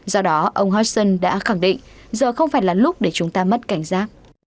do đó ông husson đã khẳng định giờ không phải là lúc để chúng ta mất cảnh giác